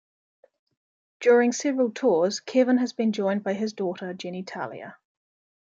During several tours, Kevin has been joined by his daughter Jenny Talia.